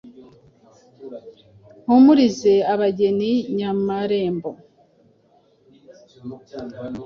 Mpumurize abageni Nyamarembo,